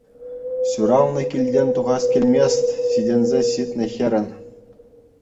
Ҫуралнӑ килтен тухас килмест ҫитӗнсе ҫитнӗ хӗрӗн.